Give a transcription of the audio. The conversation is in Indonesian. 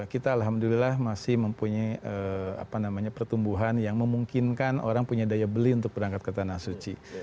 kita alhamdulillah masih mempunyai pertumbuhan yang memungkinkan orang punya daya beli untuk berangkat ke tanah suci